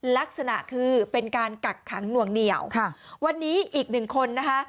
ลักษณะคือเป็นการกักขังหน่วงเหนียวค่ะวันนี้อีกหนึ่งคนนะคะ